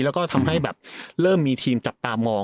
แล้วก็ทำให้แบบเริ่มมีทีมจับตามอง